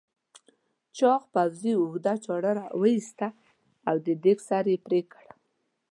چاغ پوځي اوږده چاړه راوایسته او دېگ سر یې پرې کړ.